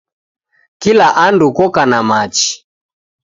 Kila andu koka na machi